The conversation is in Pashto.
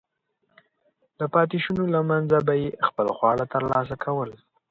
د پاتېشونو له منځه به یې خپل خواړه ترلاسه کول.